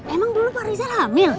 emang dulu pak rizal hamil